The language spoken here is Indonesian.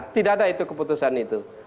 tidak ada itu keputusan itu